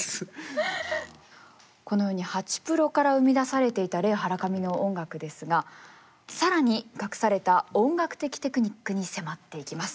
このようにハチプロから生み出されていたレイ・ハラカミの音楽ですが更に隠された音楽的テクニックに迫っていきます。